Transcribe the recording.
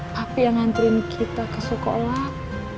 papi yang ngantriin kita ke sekolah